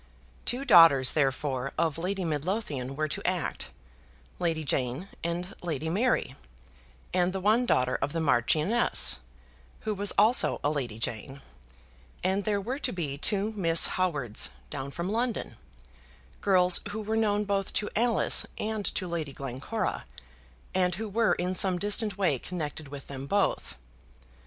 Two daughters therefore of Lady Midlothian were to act, Lady Jane and Lady Mary, and the one daughter of the Marchioness, who was also a Lady Jane, and there were to be two Miss Howards down from London, girls who were known both to Alice and to Lady Glencora, and who were in some distant way connected with them both.